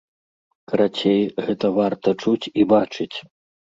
Карацей, гэта варта чуць і бачыць.